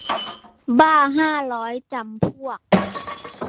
บ้าห้าร้อยจำพวก